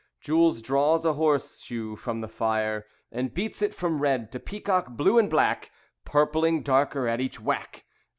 Jules draws a horseshoe from the fire And beats it from red to peacock blue and black, Purpling darker at each whack.